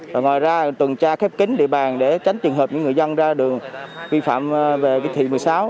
và ngoài ra tuần tra khép kính địa bàn để tránh trường hợp những người dân ra đường vi phạm về thị một mươi sáu